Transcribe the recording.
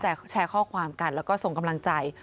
แชร์ข้อความกันแล้วก็ส่งกำลังใจ